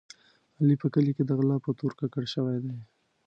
علي په کلي کې د غلا په تور ککړ شوی دی.